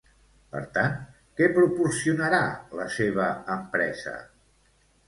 Per tant, què proporcionarà la seva empresa?